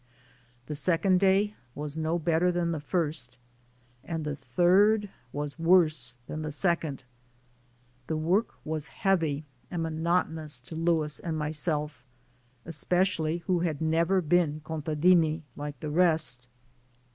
The second day was no better than the first, and the third was worse than the second. The work was heavy and monotonous to Louis and myself especially, who had never been "contadini" like the rest.